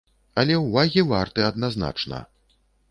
Але ўвагі варты адназначна.